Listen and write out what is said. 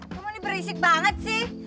cuma ini berisik banget sih